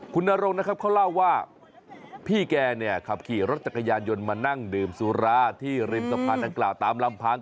คุณนรงนะครับเขาเล่าว่าพี่แกเนี่ยขับขี่รถจักรยานยนต์มานั่งดื่มสุราที่ริมสะพานดังกล่าวตามลำพัง